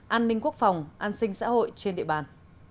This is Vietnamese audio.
an ninh quốc phòng an sinh xã hội trên địa bàn